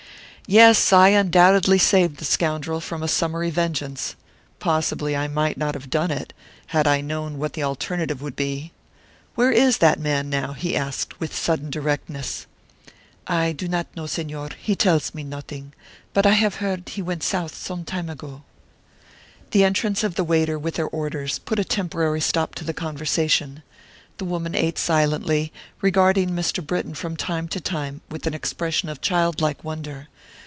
"Yes, I undoubtedly saved the scoundrel from a summary vengeance; possibly I might not have done it, had I known what the alternative would be. Where is that man now?" he asked, with sudden directness. "I do not know, Señor; he tells me nothing, but I have heard he went south some time ago." The entrance of the waiter with their orders put a temporary stop to conversation. The woman ate silently, regarding Mr. Britton from time to time with an expression of childlike wonder.